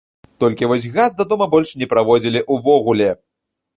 Толькі вось газ да дома больш не праводзілі ўвогуле.